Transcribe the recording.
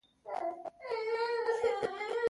د امين افغانپور په مړينه